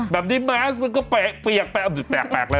แบบนี้แมสมันก็เปียกเปียกเลยละ